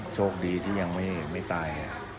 โชคดีที่ยังไม่ตาย